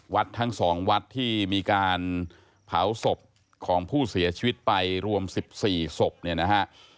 ทั้ง๒วัดที่มีการเผาศพของผู้เสียชีวิตไปรวม๑๔ศพเนี่ยนะฮะ